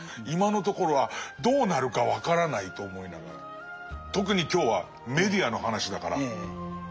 今のところはどうなるか分からないと思いながら特に今日はメディアの話だから。